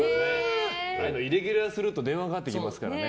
イレギュラーすると電話かかってきますからね。